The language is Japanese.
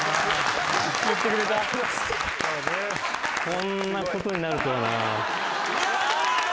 こんなことになるとはな。